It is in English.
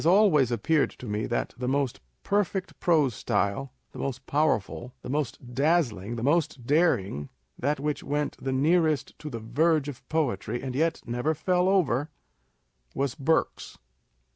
It has always appeared to me that the most perfect prose style, the most powerful, the most dazzling, the most daring, that which went the nearest to the verge of poetry, and yet never fell over, was Burke's.